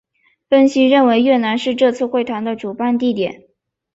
分析认为越南是这次会谈的主办地点。